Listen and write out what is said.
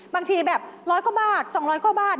บางทีแบบร้อยกว่าบาท๒๐๐กว่าบาท